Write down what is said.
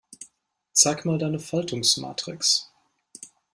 Zeig mal deine Faltungsmatrix.